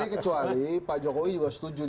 kecuali pak jokowi juga setuju